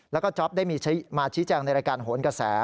แล้วก็จ๊อปได้มาชี้แจงในรายการโหนกระแส